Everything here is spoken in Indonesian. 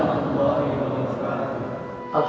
waalaikumsalam warahmatullahi wabarakatuh